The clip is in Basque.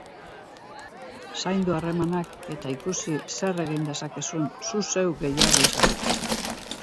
Zaindu harremanak eta ikusi zer egin dezakezun zu zeu gehiago izateko.